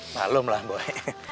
malum lah boy